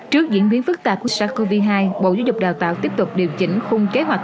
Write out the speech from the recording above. trước diễn biến phức tạp của sars cov hai bộ giáo dục đào tạo tiếp tục điều chỉnh khung kế hoạch